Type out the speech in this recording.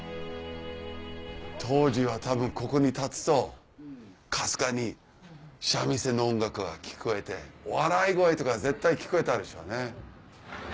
当時は多分ここに立つとかすかに三味線の音楽が聞こえて笑い声とか絶対聞こえたでしょうね。